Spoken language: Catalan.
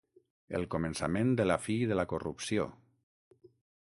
El començament de la fi de la corrupció